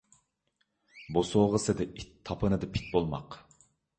بوسۇغىسىدا ئىت، تاپىنىدا پىت بولماق